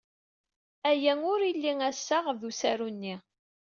Aya ur ili assaɣ ed usaru-nni.